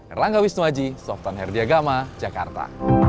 erlangga wisnuaji softan herdiagama jakarta